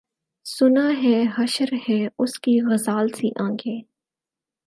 سُنا ہے حشر ہیں اُس کی غزال سی آنکھیں